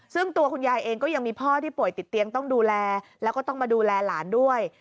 ซึ่งตัวคุณยายเองก็ยังมีพ่อที่ป่วยติดเตียงต้องดูแลแล้วก็ต้องมาดูแลหลานด้วย